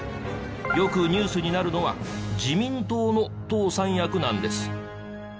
よくニュースになるのは自民党の党三役なんです。